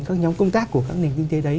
các nhóm công tác của các nền kinh tế đấy